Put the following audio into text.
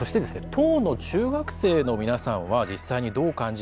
当の中学生の皆さんは実際にどう感じているのか。